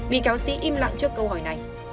bị cáo sĩ im lặng trước câu hỏi này